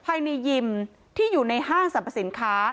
ยิมที่อยู่ในห้างสรรพสินค้า